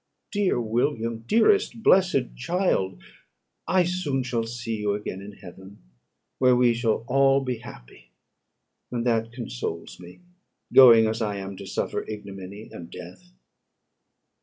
Dear William! dearest blessed child! I soon shall see you again in heaven, where we shall all be happy; and that consoles me, going as I am to suffer ignominy and death."